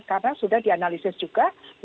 karena sudah dianalisis juga